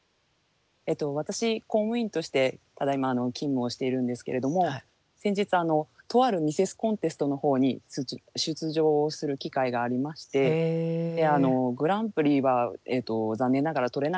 私公務員としてただいま勤務をしているんですけれども先日とあるミセスコンテストのほうに出場する機会がありましてグランプリは残念ながら取れなかったんですけれども。